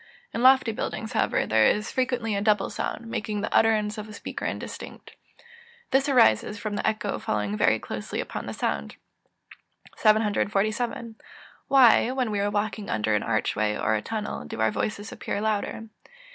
In lofty buildings, however, there is frequently a double sound, making the utterance of a speaker indistinct. This arises from the echo following very closely upon the sound. 747. _Why, when we are walking under an arch way or a tunnel, do our voices appear louder?